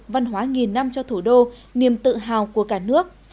văn hóa nghìn năm cho thủ đô niềm tự hào của cả nước